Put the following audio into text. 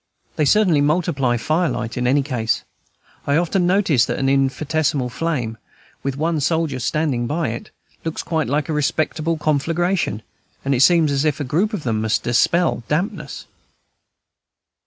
They certainly multiply firelight in any case. I often notice that an infinitesimal flame, with one soldier standing by it, looks like quite a respectable conflagration, and it seems as if a group of them must dispel dampness.